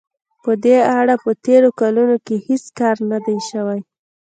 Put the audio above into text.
په دې اړه په تېرو کلونو کې هېڅ کار نه دی شوی.